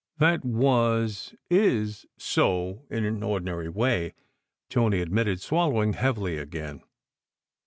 "That was is so, in an ordinary way," Tony ad mitted, swallowing heavily again.